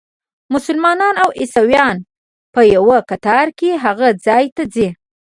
مسلمانان او عیسویان په یوه کتار کې هغه ځای ته ځي.